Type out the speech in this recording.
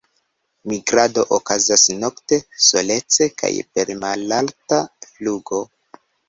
Migrado okazas nokte, solece kaj per malalta flugo.